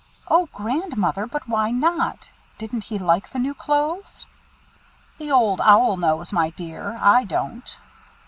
"O Grandmother! But why not? Didn't he like the new clothes?" "The Old Owl knows, my dear; I don't."